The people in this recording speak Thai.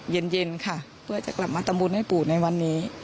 เย็นค่ะเพื่อจะกลับมาทำบุญให้ปู่ในวันนี้